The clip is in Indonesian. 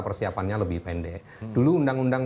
persiapannya lebih pendek dulu undang undang